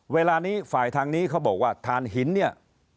เวลานี้ฝ่ายทางนี้เขาบอกว่าฐานหินเนี่ย